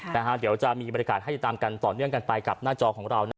เดี๋ยวจะมีบรรยากาศให้ติดตามกันต่อเนื่องกันไปกับหน้าจอของเรานะ